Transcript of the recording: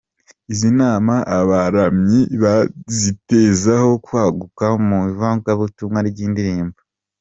Izi nama abaramyi bazitezeho kwaguka mu ivugabutumwa ry’indirimbo.